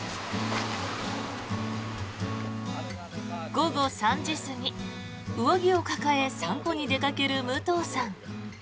午後３時過ぎ、上着を抱え散歩に出かける武藤さん。